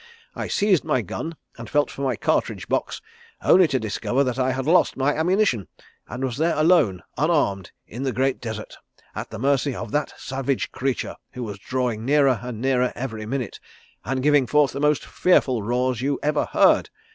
I seized my gun and felt for my cartridge box only to discover that I had lost my ammunition and was there alone, unarmed, in the great desert, at the mercy of that savage creature, who was drawing nearer and nearer every minute and giving forth the most fearful roars you ever heard.